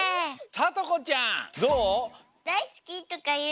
さとこちゃんどう？